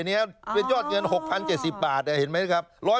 อันนี้เป็นยอดเงิน๖๐๗๐บาทเห็นไหมครับ